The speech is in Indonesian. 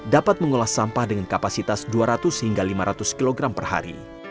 dapat mengolah sampah dengan kapasitas dua ratus hingga lima ratus kg per hari